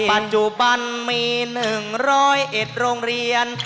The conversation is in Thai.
ปัจจุบันมี๑๐๑โรงเรียน